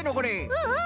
うんうん！